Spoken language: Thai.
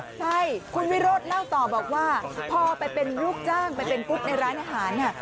ใช่คุณวิโรธเล่าต่อบอกว่าพอไปเป็นลูกจ้างไปเป็นกรุ๊ปในร้านอาหาร